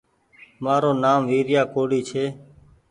مآرو نآم ويريآ ڪوڙي ڇي